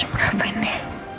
jam berapa ini